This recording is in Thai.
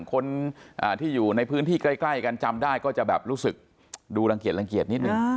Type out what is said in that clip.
คนที่อยู่ในพื้นที่ใกล้กันจำได้ก็จะแบบรู้สึกดูรังเกียจรังเกียจนิดนึง